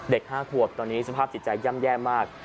๕ขวบตอนนี้สภาพจิตใจย่ำแย่มาก